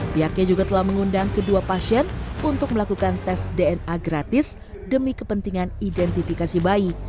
pihaknya juga telah mengundang kedua pasien untuk melakukan tes dna gratis demi kepentingan identifikasi bayi